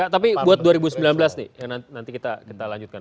tapi buat dua ribu sembilan belas nih yang nanti kita lanjutkan